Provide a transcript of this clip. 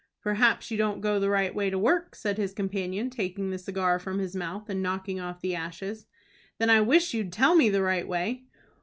"Perhaps you don't go the right way to work," said his companion, taking the cigar from his mouth, and knocking off the ashes. "Then I wish you'd tell me the right way."